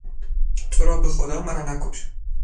ترا به خدا مرا نکش!